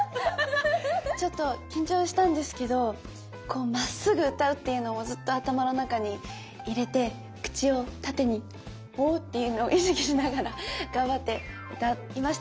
ちょっと緊張したんですけどこうまっすぐ歌うっていうのをずっと頭の中に入れて口を縦にホーッていうのを意識しながら頑張って歌いました。